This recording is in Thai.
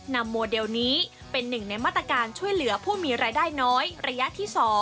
โมเดลนี้เป็นหนึ่งในมาตรการช่วยเหลือผู้มีรายได้น้อยระยะที่๒